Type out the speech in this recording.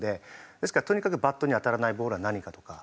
ですからとにかくバットに当たらないボールは何かとか。